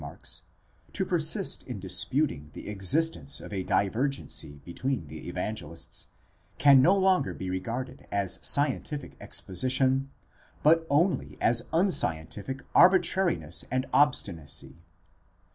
619 marks, to persist in disputing the existence of a divergency between the Evan gelists, can no longer be regarded as scientific exposition, but only as unscien tific arbitrariness and obstinacy.